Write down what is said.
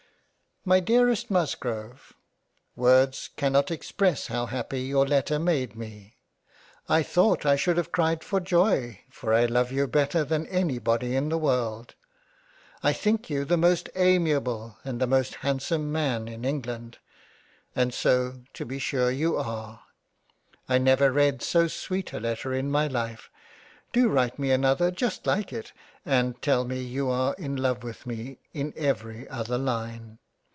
My dearest Musgrove . Words cannot express how happy your Letter made me ; I thought I should have cried for joy, for I love you better than any body in the World. I think you the most amiable, and the handsomest Man in England, and so to be sure you are. I never read so sweet a Letter in my Life. Do write me another just like it, and tell me you are in love with me in every other line.